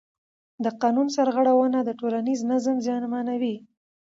د قانون سرغړونه د ټولنیز نظم زیانمنوي